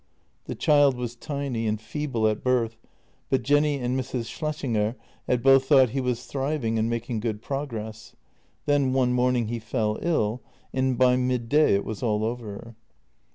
" The child was tiny and feeble at birth, but Jenny and Mrs. Schlessinger had both thought he was thriving and making good progress. Then one morning he fell ill, and by midday it was all over.